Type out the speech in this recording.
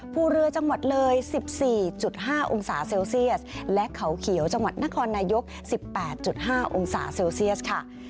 ภูเรือจังหวัดเลย๑๔๕องศาเซลเซียสและเขาเขียวจังหวัดนครนายก๑๘๕องศาเซลเซียสค่ะ